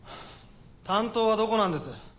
担当はどこなんです？